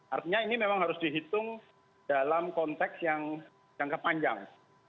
artinya ini memang harus dihitung dalam konteks yang jangka panjang